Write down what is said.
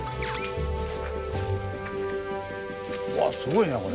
わあすごいねこれ。